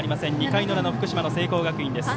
２回の裏の福島の聖光学院です。